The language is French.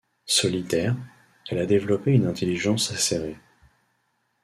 Solitaire, elle a développé une intelligence acérée.